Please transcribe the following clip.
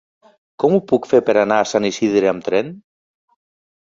Com ho puc fer per anar a Sant Isidre amb tren?